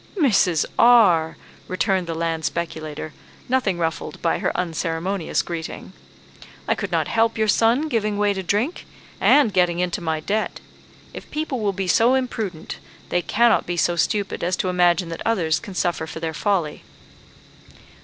"Mrs. R ," returned the land speculator, nothing ruffled by her unceremonious greeting, "I could not help your son giving way to drink, and getting into my debt. If people will be so imprudent, they cannot be so stupid as to imagine that others can suffer for their folly."